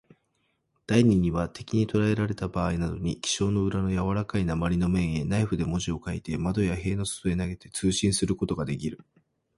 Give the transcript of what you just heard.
第二には、敵にとらえられたばあいなどに、記章の裏のやわらかい鉛の面へ、ナイフで文字を書いて、窓や塀の外へ投げて、通信することができる。